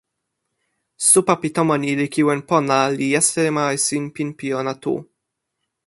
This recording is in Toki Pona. supa pi tomo ni li kiwen pona, li jasima e sinpin pi ona tu.